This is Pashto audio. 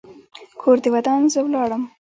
کور دې ودان؛ زه ولاړم.